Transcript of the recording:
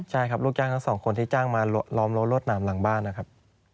ใช่ครับลูกจ้างทั้งสองคนที่จ้างมาล้อมรั้วรวดหนามหลังบ้านนะครับ